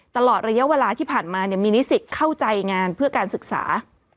ตลอดระยะเวลาที่ผ่านมามีนิสิตเข้าใจงานเพื่อการศึกษา